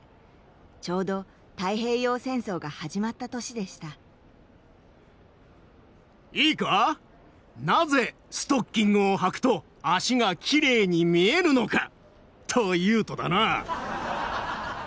ちょうど太平洋戦争が始まった年でしたいいかなぜストッキングをはくと足がきれいに見えるのかというとだな。